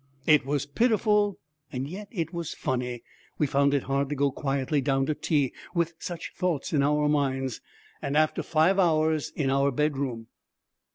It was pitiful, and yet it was very funny. We found it hard to go quietly down to tea with such thoughts in our minds, and after five hours in our bedroom.